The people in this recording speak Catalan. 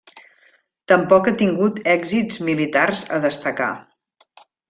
Tampoc ha tingut èxits militars a destacar.